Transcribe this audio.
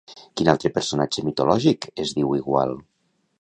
Quin altre personatge mitològic es diu igual?